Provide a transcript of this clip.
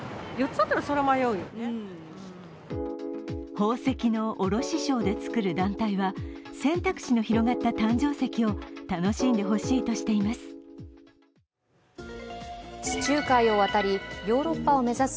宝石の卸商でつくる団体は選択肢の広がった誕生石を楽しんでほしいとしています。